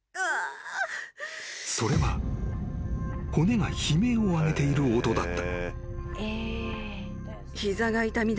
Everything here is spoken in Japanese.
［それは骨が悲鳴を上げている音だった］